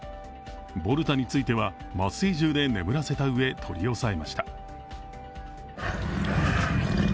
ボルタについては、麻酔銃で眠らせたうえ、取り押さえました。